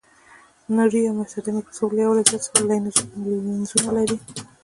نوري یا ساده مایکروسکوپ له یو څخه زیات لینزونه لري.